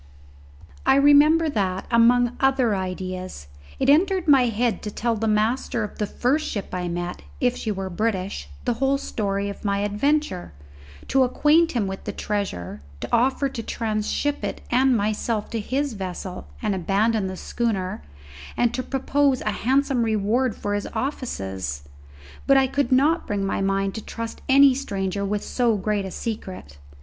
I remember that, among other ideas, it entered my head to tell the master of the first ship I met, if she were British, the whole story of my adventure, to acquaint him with the treasure, to offer to tranship it and myself to his vessel and abandon the schooner, and to propose a handsome reward for his offices. But I could not bring my mind to trust any stranger with so great a secret.